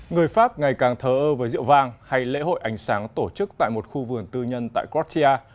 người pháp ngày càng thờ ơ với rượu vang hay lễ hội ánh sáng tổ chức tại một khu vườn tư nhân tại gotia